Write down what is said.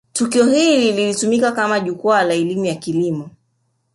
tukio hili litatumika kama jukwaa la elimu ya kilimo